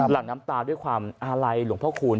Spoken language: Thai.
หลังน้ำตาด้วยความอาลัยหลวงพ่อคูณ